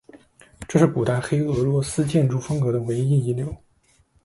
这是古代黑俄罗斯建筑风格的唯一遗留。